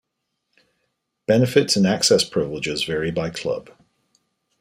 Benefits and access privileges vary by club.